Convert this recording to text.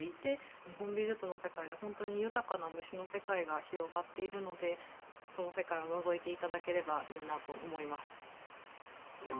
日本美術の世界では本当に豊かな虫の世界が広がっているのでその世界をのぞいて頂ければいいなと思います。